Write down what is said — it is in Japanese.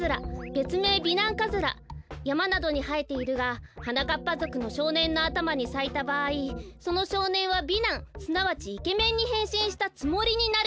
べつめい美男カズラやまなどにはえているがはなかっぱぞくのしょうねんのあたまにさいたばあいそのしょうねんは美男すなわちイケメンにへんしんしたつもりになる。